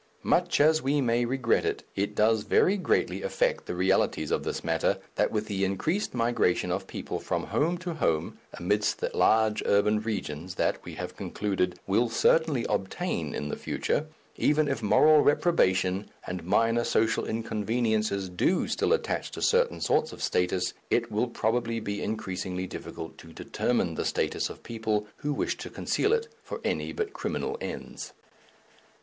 Much as we may regret it, it does very greatly affect the realities of this matter, that with the increased migration of people from home to home amidst the large urban regions that, we have concluded, will certainly obtain in the future, even if moral reprobation and minor social inconveniences do still attach to certain sorts of status, it will probably be increasingly difficult to determine the status of people who wish to conceal it for any but criminal ends.